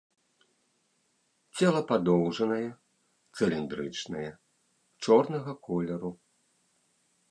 Цела падоўжанае, цыліндрычнае, чорнага колеру.